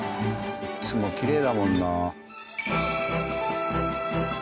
いつもきれいだもんな。